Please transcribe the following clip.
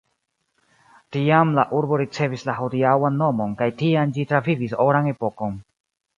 Tiam la urbo ricevis la hodiaŭan nomon kaj tiam ĝi travivis oran epokon.